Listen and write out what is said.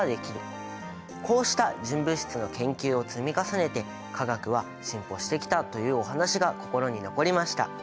こうした純物質の研究を積み重ねて化学は進歩してきたというお話が心に残りました。